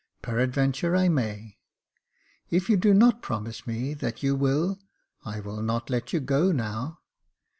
"Peradventure I may." " If you do not promise me that you will, I will not let you go now."